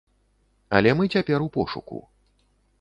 Але мы цяпер у пошуку.